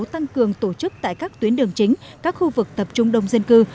tăng cường tổ chức tại các tuyến đường chính các khu vực tập trung đông dân cư